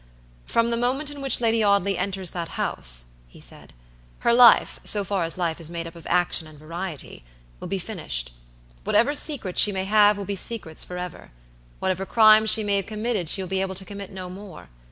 "From the moment in which Lady Audley enters that house," he said, "her life, so far as life is made up of action and variety, will be finished. Whatever secrets she may have will be secrets forever! Whatever crimes she may have committed she will be able to commit no more.